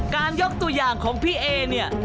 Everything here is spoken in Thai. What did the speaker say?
ยกตัวอย่างของพี่เอเนี่ย